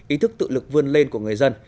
ý thức tự lực vươn lên của người dân